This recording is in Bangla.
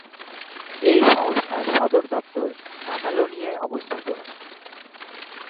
এই সংস্থার সদর দপ্তর কাতালোনিয়ায় অবস্থিত।